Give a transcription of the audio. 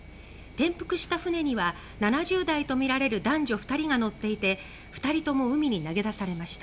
転覆した船には７０代とみられる男女２人が乗っていて２人とも海に投げ出されました。